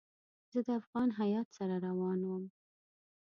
زه د افغان هیات سره روان وم.